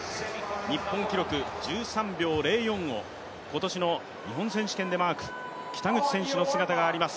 日本記録１３秒０４を今年の日本選手権でマーク、北口選手の姿があります。